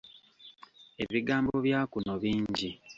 Ebigambo bya kuno bingi.